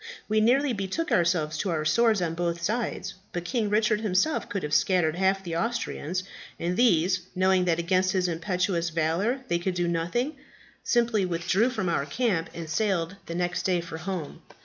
We nearly betook ourselves to our swords on both sides; but King Richard himself could have scattered half the Austrians, and these, knowing that against his impetuous valour they could do nothing, simply withdrew from our camp, and sailed the next day for home.